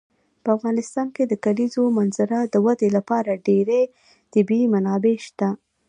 په افغانستان کې د کلیزو منظره د ودې لپاره ډېرې طبیعي منابع شته دي.